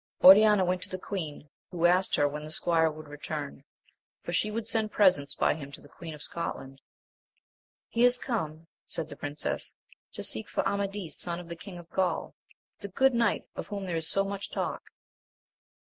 Oriana went to the queen, who asked her when the squire would return, for she would send presents by him to the Queen of Scotland. He is 'come, said the princess, to seek for Amadis, son of the King of Gaul, the good knight of whom there is so much talk.